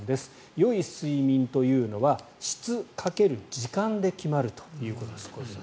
よい睡眠というのは質掛ける時間で決まるということです。